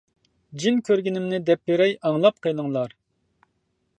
جىن كۆرگىنىمنى دەپ بېرەي ئاڭلاپ قېلىڭلار.